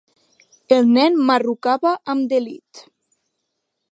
El nen marrucava amb delit.